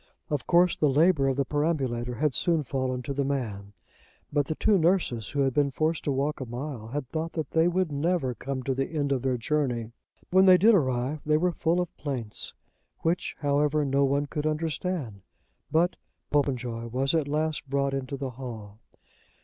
Of course the labour of the perambulator had soon fallen to the man; but the two nurses, who had been forced to walk a mile, had thought that they would never come to the end of their journey. When they did arrive they were full of plaints, which, however, no one could understand. But Popenjoy was at last brought into the hall.